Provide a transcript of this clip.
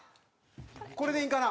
これでいいんかな？